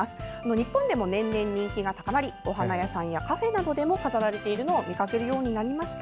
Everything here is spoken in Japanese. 日本でも年々、人気が高まりお花屋さんやカフェなどでも飾られているのを見かけるようになりました。